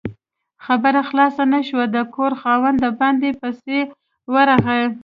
خبره خلاصه نه شوه، د کور خاوند د باندې پسې ورغی